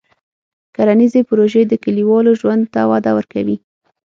کرنيزې پروژې د کلیوالو ژوند ته وده ورکوي.